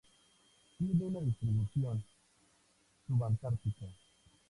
Tiene un distribución subantártica.